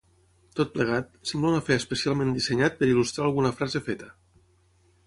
Tot plegat, sembla un afer especialment dissenyat per il·lustrar alguna frase feta.